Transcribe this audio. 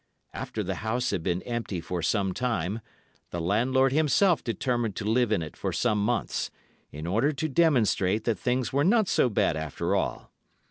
After the house had been empty for some time, the landlord himself determined to live in it for some months, in order to demonstrate that things were not so bad after all.